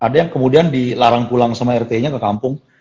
ada yang kemudian dilarang pulang sama rt nya ke kampung